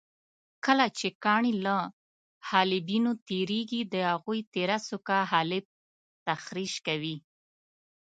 کله چې کاڼي له حالبینو تېرېږي د هغوی تېره څوکه حالب تخریش کوي.